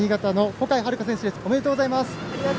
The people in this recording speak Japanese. ありがとうございます。